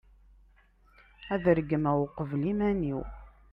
ad regmeɣ uqbel iman-iw